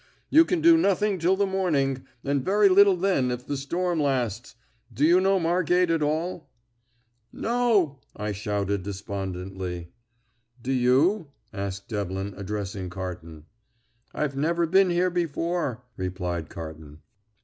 "You can do nothing till the morning, and very little then if the storm lasts. Do you know Margate at all?" "No," I shouted despondently. "Do you?" asked Devlin, addressing Carton. "I've never been here before," replied Carton.